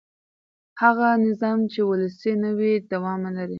هغه نظام چې ولسي نه وي دوام نه لري